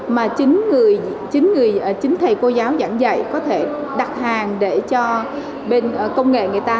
mà chính thầy cô giáo giảng dạy có thể đặt hàng để cho bên công nghệ người ta